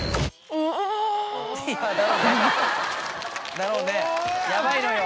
だろうねヤバいのよ。